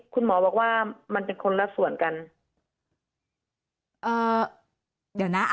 คุณหมอบอกว่ามันเป็นคนละส่วนกัน